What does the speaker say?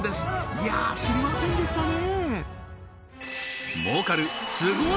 いや知りませんでしたね